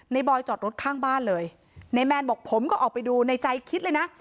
บอยจอดรถข้างบ้านเลยนายแมนบอกผมก็ออกไปดูในใจคิดเลยนะ